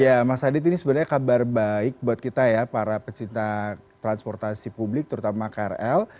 ya mas adit ini sebenarnya kabar baik buat kita ya para pecinta transportasi publik terutama krl